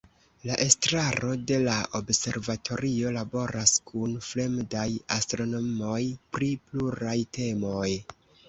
La estraro de la observatorio laboras kun fremdaj astronomoj pri pluraj temoj.